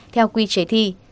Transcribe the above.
theo quy chế thi